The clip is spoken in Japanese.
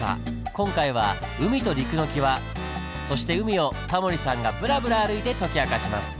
今回は海と陸のキワそして海をタモリさんがブラブラ歩いて解き明かします。